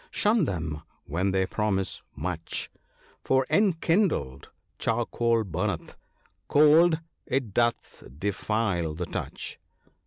Shun them when they pro mise much ! For, enkindled, charcoal burneth — cold, it doth defile the touch."